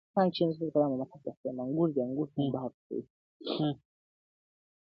اباسین بیا څپې څپې دی.!